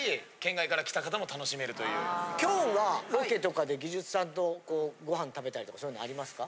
きょんはロケとかで技術さんとこうご飯食べたりとかそういうのありますか？